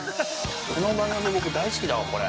この番組、僕、大好きだわ、これ。